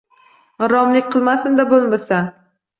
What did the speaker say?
G‘irromlik qilmasin-da, bo‘lmasa!